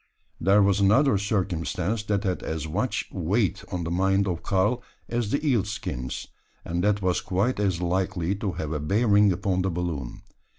There was another circumstance that had as much weight on the mind of Karl as the eel skins; and that was quite as likely to have a bearing upon the balloon.